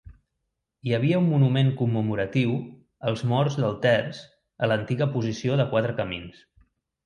Hi havia un monument commemoratiu als morts del Terç a l'antiga posició de Quatre Camins.